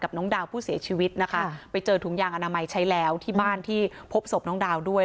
กับดาวผู้เสียชีวิตไปเจอถุงยางอนามัยใช้แล้วที่บ้านที่พบสมดาวด้วย